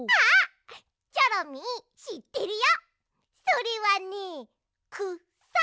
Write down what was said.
それはねくさ。